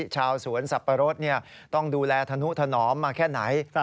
ชาวสวนสับปะรดต้องดูแลธนุถนอมมาแค่ไหน